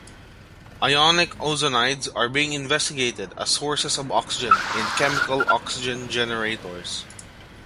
Ionic ozonides are being investigated as sources of oxygen in chemical oxygen generators.